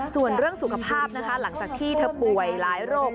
ส่วนเรื่องสุขภาพนะคะหลังจากที่เธอป่วยหลายโรค